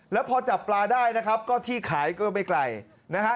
แล้วพอจับปลาได้นะครับก็ที่ขายก็ไม่ไกลนะฮะ